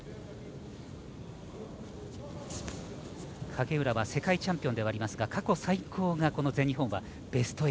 影浦は世界チャンピオンではありますが過去最高がこの全日本はベスト８。